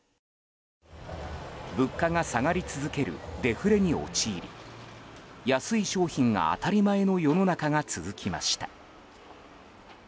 物価が下がり続けるデフレに陥り安い商品が当たり前の世の中が続きました。